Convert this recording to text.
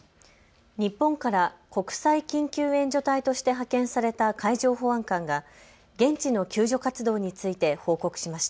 日本から国際緊急援助隊として派遣された海上保安官が現地の救助活動について報告しました。